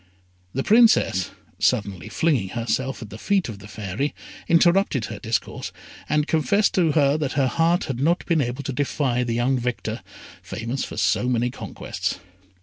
The Princess, suddenly flinging herself at the feet of the Fairy, interrupted her discourse, and confessed to her that her heart had not been able to defy the young victor, famous for so many conquests.